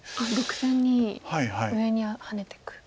６線に上にハネてく。